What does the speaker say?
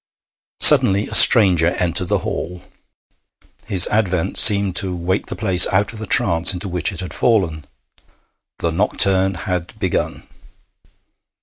Suddenly a stranger entered the hall. His advent seemed to wake the place out of the trance into which it had fallen. The nocturne had begun.